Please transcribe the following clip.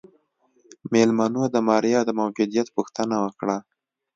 مېلمنو د ماريا د موجوديت پوښتنه وکړه.